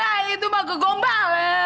alah itu mah kegombang